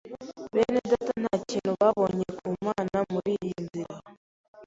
Bene data nta kintu ntaboneye ku Mana muri iyi nzira,